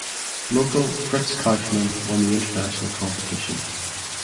Local Fritz Kaufmann won the international competition.